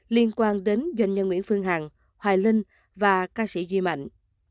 liên quan đến doanh nhân nguyễn phương hằng hoài linh và ca sĩ duy mạnh